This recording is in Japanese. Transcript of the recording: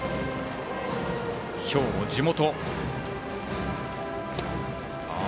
兵庫・地元。